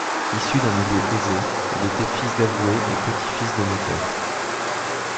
Issu d'un milieu aisé, il était fils d’avoué et petit-fils de notaire.